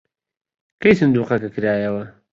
کەی سندووقەکە کرایەوە؟